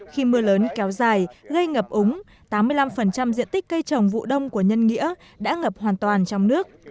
khi mưa lớn kéo dài gây ngập úng tám mươi năm diện tích cây trồng vụ đông của nhân nghĩa đã ngập hoàn toàn trong nước